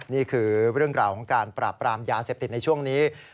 นี่คือเรื่องราวของการปราบปรามยาเสพติดในช่วงนี้